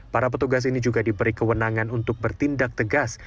para petugas ini juga diberi kewenangan untuk bertindak tegas